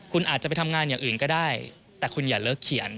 คุณอาจจะไปทำงานอย่างอื่นก็ได้แต่คุณอย่าเลิกเขียน